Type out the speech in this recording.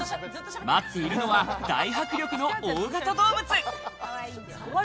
待っているのは大迫力の大型動物。